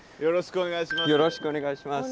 よろしくお願いします。